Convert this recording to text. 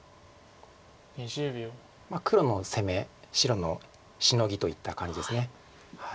黒の攻め白のシノギといった感じです。